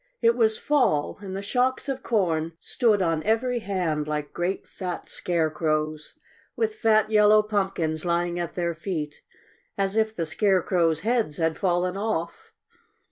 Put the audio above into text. It was fall; and the shocks of corn stood on every hand like great fat scarecrows, with fat yellow pumpkins lying at their feet, as if the scarecrows' heads had fallen off.